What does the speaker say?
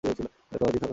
একটা বাজি ধরো!